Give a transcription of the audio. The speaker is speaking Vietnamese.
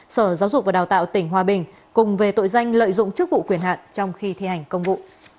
sở giáo dục và đào tạo tỉnh hòa bình cùng về tội danh lợi dụng chức vụ quyền hạn trong khi thi hành công vụ